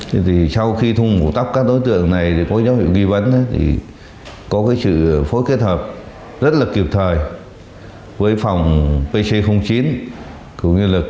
thế thì sau khi thu màu tóc các đối tượng này thì có những do học nghi vấn thì có cái sự phối kết hợp rất là dịp thời với phòng pc chín cùng được cục c chín phân hiệu ở đà nẵng đấy